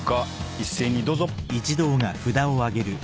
一斉にどうぞ。